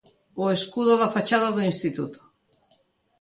O escudo da fachada do Instituto.